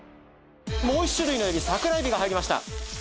もう一種類のエビ桜エビが入りました